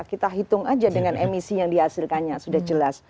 kita hitung aja dengan emisi yang dihasilkannya sudah jelas